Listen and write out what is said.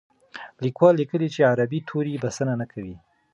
لیکوال لیکلي چې عربي توري بسنه نه کوي.